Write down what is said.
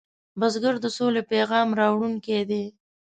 بزګر د سولې پیام راوړونکی دی